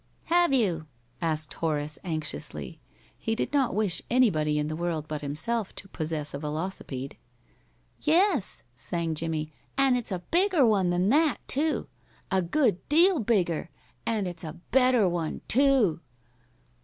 "Have you?" asked Horace, anxiously. He did not wish anybody in the world but himself to possess a velocipede. "Yes," sang Jimmie. "An' it's a bigger one than that, too! A good deal bigger! An' it's a better one, too!"